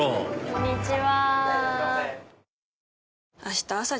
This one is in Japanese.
こんにちは。